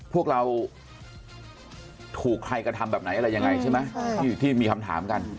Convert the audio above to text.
พวกเราถูกใครกระทำแบบไหนอะไรยังไงใช่ไหมที่มีคำถามกัน